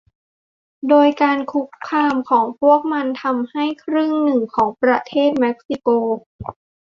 โดยการคุกคามของพวกมันทำให้ครึ่งหนึ่งของประเทศเม็กซิโก